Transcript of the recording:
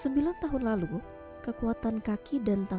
wanita empat puluh delapan tahun ini telah lama hanya bisa beraktifitas